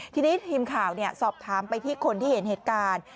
ทีนี้ทีมข่าวสอบถามไปที่คนที่เห็นเหตุการณ์